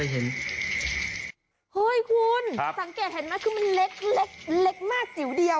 เฮ้ยคุณสังเกตเห็นไหมคือมันเล็กเล็กมากจิ๋วเดียว